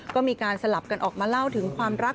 ก็มีการสลับกันออกมาเล่าถึงความรัก